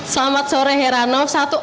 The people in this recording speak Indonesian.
selamat sore heran om